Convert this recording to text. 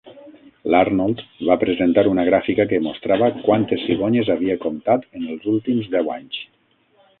L'Arnold va presentar una gràfica que mostrava quantes cigonyes havia comptat en els últims deu anys.